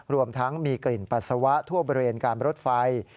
รวมทั้งมีกลิ่นปัสสาวะทั่วบริเวณการรถไฟ